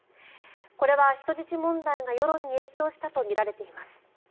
これは人質問題が世論に影響したとみられています。